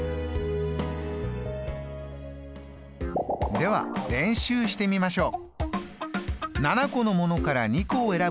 では練習してみましょう。